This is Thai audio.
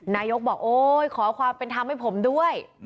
นายกบอกโอ๊ยขอความเป็นธรรมให้ผมด้วย